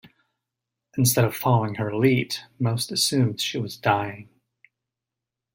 Instead of following her lead, most assumed she was dying.